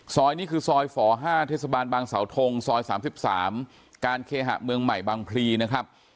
นี่คือซอยฝ๕เทศบาลบางสาวทงซอย๓๓การเคหะเมืองใหม่บางพลีนะครับ